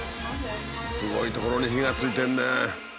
すごいところに火がついてるね。